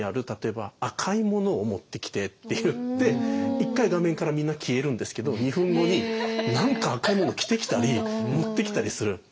例えば赤いものを持ってきてって言って一回画面からみんな消えるんですけど２分後に何か赤いもの着てきたり持ってきたりする。